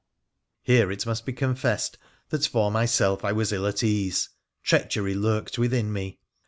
Here must it be confessed that, for myself, I was ill at ease : treachery lurked within me.